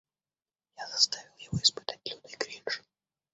Я заставил его испытать лютый кринж.